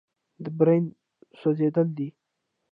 د برن سوځېدل دي.